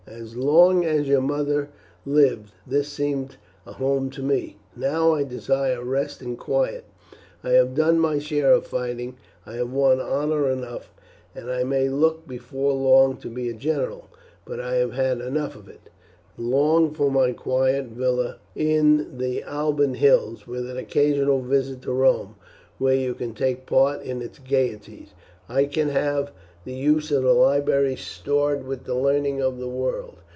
As long as your mother lived this seemed a home to me, now I desire rest and quiet. I have done my share of fighting, I have won honour enough, and I may look before long to be a general; but I have had enough of it, and long for my quiet villa in the Alban hills, with an occasional visit to Rome, where you can take part in its gaieties, and I can have the use of the libraries stored with the learning of the world.